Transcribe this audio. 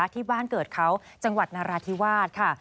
ที่บ้านเกิดเขาจังหวัดนราธิวาสค่ะ